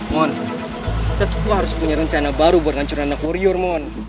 mon kita tuh harus punya rencana baru buat ngancurin anak warior mon